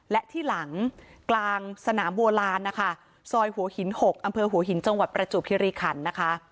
และที่หลังกลางสนามบัวลานนะคะซอยหัวหิน๖อำเภอหัวหินจังหวัดประจวบคิริขันนะคะ